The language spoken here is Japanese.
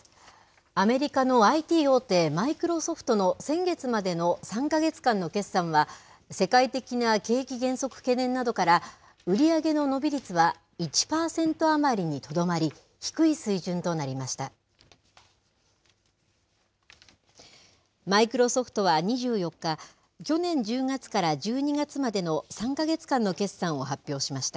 アメリカのＩＴ大手、マイクロソフトの先月までの３か月間の決算は、世界的な景気減速懸念などから、売り上げの伸び率は１％余りにとどまり、低い水準となりました。